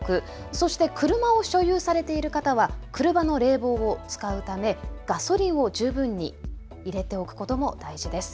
そして車を所有されている方は車の冷房を使うためガソリンを十分に入れておくことも大事です。